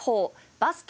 バスケ